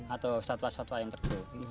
atau satwa satwa yang tertutup